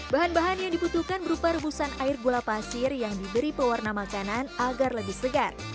bahan bahan yang dibutuhkan berupa rebusan air gula pasir yang diberi pewarna makanan agar lebih segar